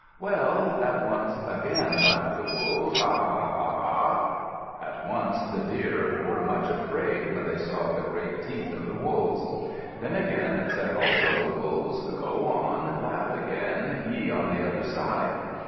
"Well." At once again laughed the Wolves: "Ha, ha, ha, ha, ha!" At once the Deer were much afraid when they saw the great teeth of the Wolves. Then again said also the Wolves, "Go on! Laugh again, ye on the other side.